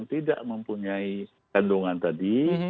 tidak mempunyai kandungan tadi